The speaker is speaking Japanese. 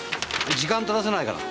時間取らせないから。